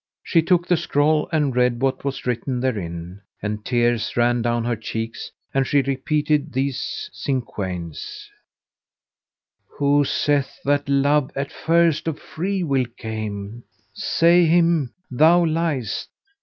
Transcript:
She took the scroll and read what was written therein; and tears ran down her cheeks and she repeated these cinquains, "Who saith that Love at first of free will came, * Say him: Thou liest!